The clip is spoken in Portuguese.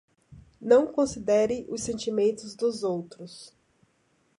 Não considere os sentimentos dos outros